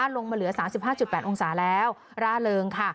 ลงมาเหลือ๓๕๘องศาแล้วร่าเริง